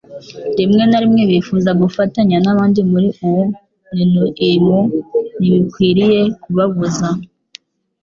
rimwe na rimwe bifuza gufatanya n'abandi muri uwo nnu-imo ntibikwiriye kubabuza.